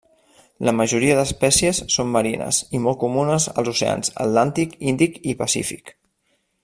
La majoria d'espècies són marines i molt comunes als oceans Atlàntic, Índic i Pacífic.